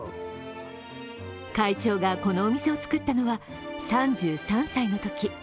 会長がこのお店を作ったのは３３歳のとき。